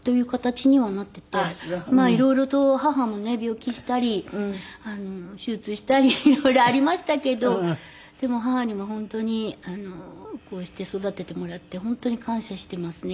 まあ色々と母もね病気したり手術したり色々ありましたけどでも母には本当にこうして育ててもらって本当に感謝していますね。